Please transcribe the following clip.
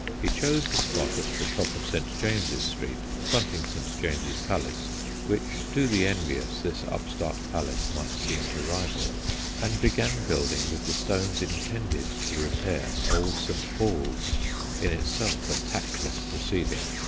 He chose the spot at the top of St. James's Street, fronting St. James's Palace, which to the envious this upstart palace might seem to rival, and began building with the stones intended to repair old St. Paul's in itself a tactless proceeding.